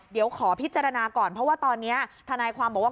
เดี๋ยวขอพิจารณาก่อนเพราะว่าตอนนี้ทนายความบอกว่า